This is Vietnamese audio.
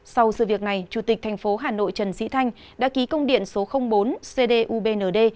sau sự việc này chủ tịch tp hà nội trần sĩ thanh đã ký công điện số bốn cdubnd